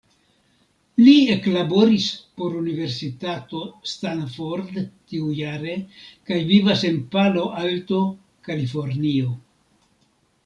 Li eklaboris por Universitato Stanford tiujare kaj vivas en Palo Alto, Kalifornio.